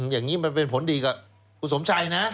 อย่างนี้มันเป็นผลดีกับคุณสมชัยนะ